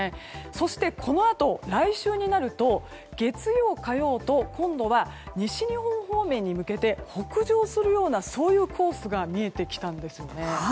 そして、このあと来週になると月曜、火曜と今度は西日本方面に向けて北上するようなそういうコースが見えてきたんですよね。